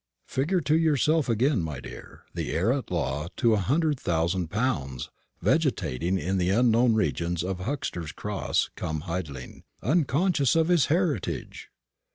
Figure to yourself again, my dear, the heir at law to a hundred thousand pounds vegetating in the unknown regions of Huxter's Cross cum Hidling, unconscious of his heritage!